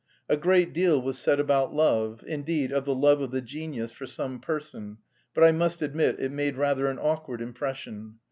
A great deal was said about love, indeed, of the love of the genius for some person, but I must admit it made rather an awkward impression.